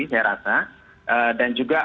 saya rasa dan juga